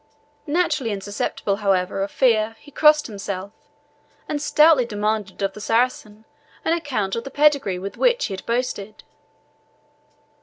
Naturally insusceptible, however, of fear, he crossed himself, and stoutly demanded of the Saracen an account of the pedigree which he had boasted.